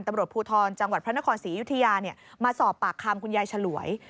ตำรวจภูทรจังหวัดพระนครศรีอยุธยามาสอบปากคำคุณยายฉลวย